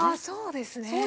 そうですね。